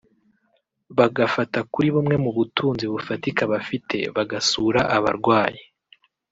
bagafata kuri bumwe mu butunzi bufatika bafite bagasura abarwayi